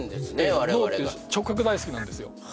我々が脳って直角大好きなんですよ